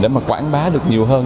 để quảng bá được nhiều hơn